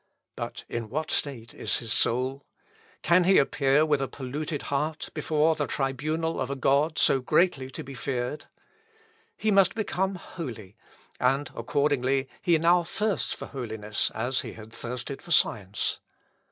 But in what state is his soul? Can he appear with a polluted heart before the tribunal of a God so greatly to be feared? He must become holy, and, accordingly, he now thirsts for holiness as he had thirsted for science.